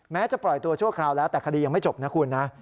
จะปล่อยตัวชั่วคราวแล้วแต่คดียังไม่จบนะคุณนะ